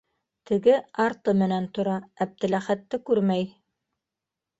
Теге арты менән тора - Әптеләхәтте күрмәй.